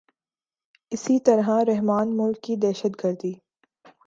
اسی طرح رحمان ملک کی دہشت گردی